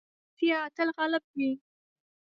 رښتيا تل غالب وي.